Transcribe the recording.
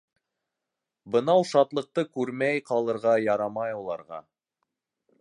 Бынау шатлыҡты күрмәй ҡалырға ярамай уларға.